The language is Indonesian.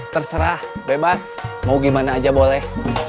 terserah bebas mau gimana aja boleh